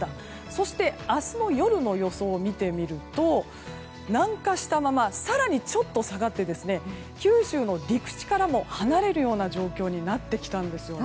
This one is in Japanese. そして明日の夜の予想を見てみると南下したまま更にちょっと下がって九州の陸地からも離れるような状況になってきたんですね。